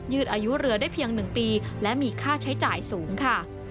อายุเรือได้เพียง๑ปีและมีค่าใช้จ่ายสูงค่ะ